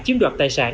chiếm đoạt tài sản